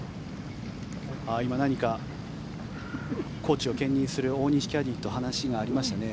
今、何かコーチを兼任する大西キャディーと話がありましたね。